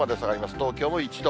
東京も１度。